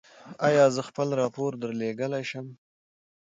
ایا زه خپل راپور درلیږلی شم؟